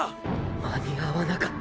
間に合わなかった。